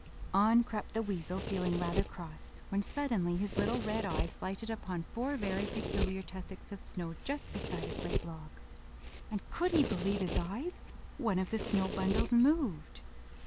On crept the weasel, feeling rather cross, when suddenly his little red eyes lighted upon four very peculiar tussocks of snow just beside a great log; and could he believe his eyes? one of the snow bundles moved.